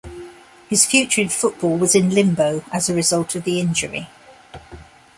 His future in football was in limbo, as a result of the injury.